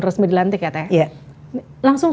resmi dilantik ya teh langsung